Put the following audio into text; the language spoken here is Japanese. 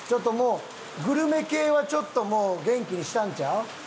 グルメ系はちょっともう元気にしたんちゃう？